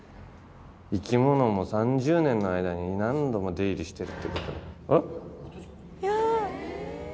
生き物も３０年の間に何度も出入りしてる。